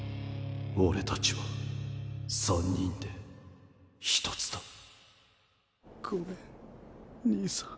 俺たちは三人で一つだごめん兄さん。